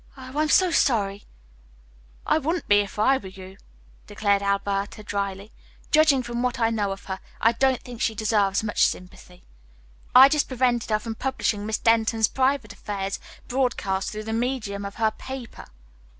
Oh, I'm so sorry." "I wouldn't be if I were you," declared Alberta dryly. "Judging from what I know of her, I don't think she deserves much sympathy. I just prevented her from publishing Miss Denton's private affairs broadcast through the medium of her paper."